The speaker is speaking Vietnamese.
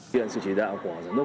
viện sự chỉ đạo của giám đốc